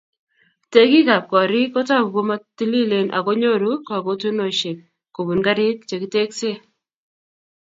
Tekikab gorik kotoku komo tililen ako konyoru kakutunosiek kobun garik che kitekse